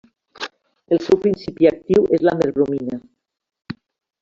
El seu principi actiu és la merbromina.